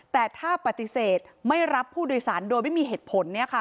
แต่ถ้าปฏิเสธไม่รับผู้โดยสารโดยไม่มีเหตุผล